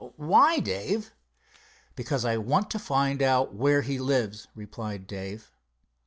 "Why, Dave?" "Because I want to find out where he lives," replied Dave.